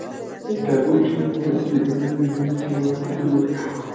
Taguchi nuevamente terminó en el último lugar por su bloqueo.